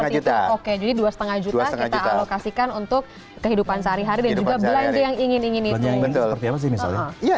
jadi kalau misalnya